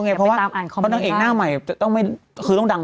ไงเพราะว่าเพราะว่าเอกหน้าใหม่แต่ต้องไม่คือต้องดัง